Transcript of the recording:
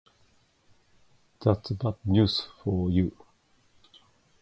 That's bad news for you.